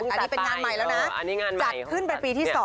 อันนี้เป็นงานใหม่แล้วนะจัดขึ้นเป็นปีที่๒